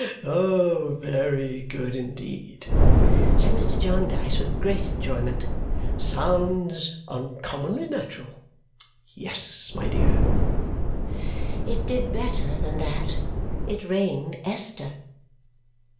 "Ha, ha! Very good indeed!" said Mr. Jarndyce with great enjoyment. "Sounds uncommonly natural. Yes, my dear?" "It did better than that. It rained Esther."